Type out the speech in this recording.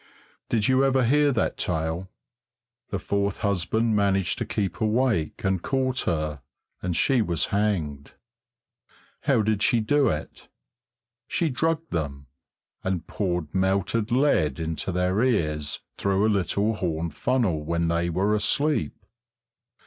Did you never hear that tale? The fourth husband managed to keep awake and caught her, and she was hanged. How did she do it? She drugged them, and poured melted lead into their ears through a little horn funnel when they were asleep....